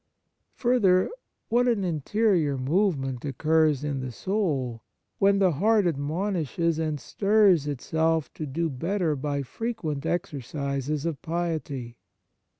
Further, what an interior move ment occurs in the soul, when the heart admonishes and stirs itself to do better by frequent exercises of piety